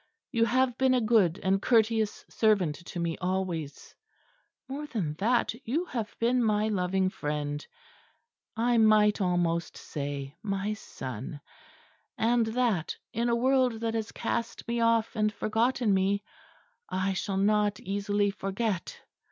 You have been a good and courteous servant to me always more than that, you have been my loving friend I might almost say my son: and that, in a world that has cast me off and forgotten me, I shall not easily forget.